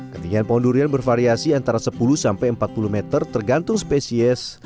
ketinggian pohon durian bervariasi antara sepuluh sampai empat puluh meter tergantung spesies